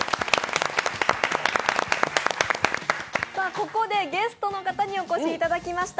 ここで、ゲストの方にお越しいただきました。